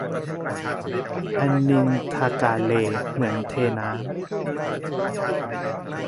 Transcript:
อันนินทากาเล เหมือนเทน้ำ